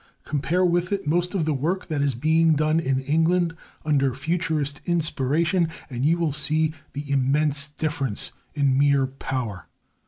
Compare with it most of the work that is being done in England under Futurist inspiration and you will see the immense difference in mere power.